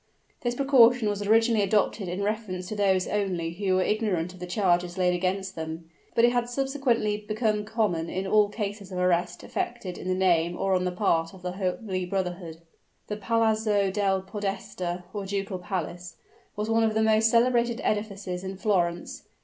This precaution was originally adopted in reference to those only who were ignorant of the charges laid against them: but it had subsequently become common in all cases of arrest effected in the name or on the part of the holy brotherhood. The Palazzo del Podesta, or ducal palace, was one of the most celebrated edifices in Florence.